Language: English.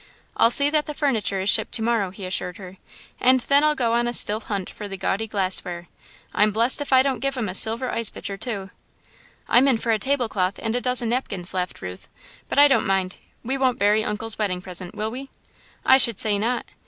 "I'll see that the furniture is shipped tomorrow," he assured her; "and then I'll go on a still hunt for the gaudy glassware. I'm blessed if I don't give 'em a silver ice pitcher, too." "I'm in for a table cloth and a dozen napkins," laughed Ruth; "but I don't mind. We won't bury Uncle's wedding present, will we?" "I should say not!